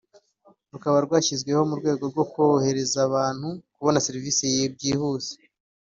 rukaba rwarashyizweho mu rwego korohereza abantu kubona serivisi byihuse